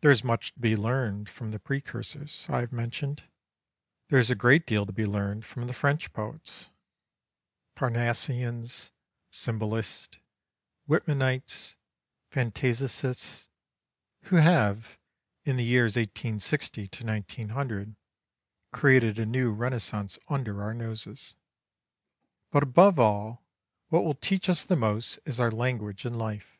There is much to be learned from the precursors I have mentioned. There is a great deal to be learned from the French poets Parnassians, Symbolists, Whitmanites, Fantaisistes who have, in the years 1860 to 1900, created a new Renaissance under our noses. But above all, what will teach us the most is our language and life.